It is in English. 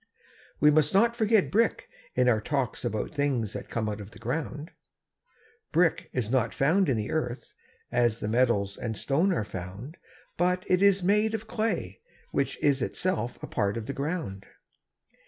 We must not forget brick in our talks about things that come out of the ground. Brick is not found in the earth, as the metals and stone are found; but it is made of clay, which is itself a part of the ground.